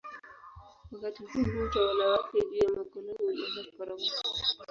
Wakati huohuo utawala wake juu ya makoloni ulianza kuporomoka.